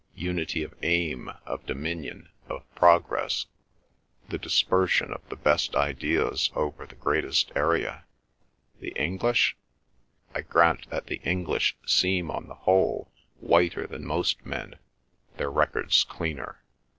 Unity of aim, of dominion, of progress. The dispersion of the best ideas over the greatest area." "The English?" "I grant that the English seem, on the whole, whiter than most men, their records cleaner.